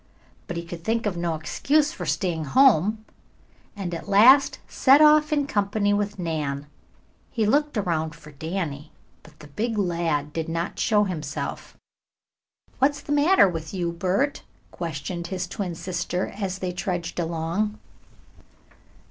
But he could think of no excuse for staying home and at last set off in company with Nan. He looked around for Danny, but the big lad did not show himself. "What's the matter with you, Bert?" questioned his twin sister, as they trudged along.